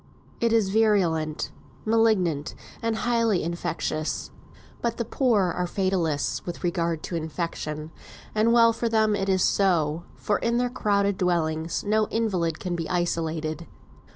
It is virulent, malignant, and highly infectious. But the poor are fatalists with regard to infection; and well for them it is so, for in their crowded dwellings no invalid can be isolated.